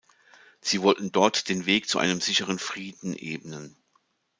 Sie wollten dort den Weg zu einem sicheren Frieden ebnen.